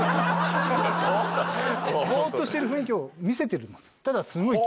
ボっとしてる雰囲気を見せてるんです。